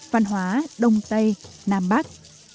văn hóa đông tây nam bắc